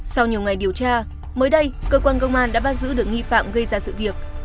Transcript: sau nhiều ngày điều tra mới đây cơ quan công an đã bắt giữ được nghi phạm gây ra sự việc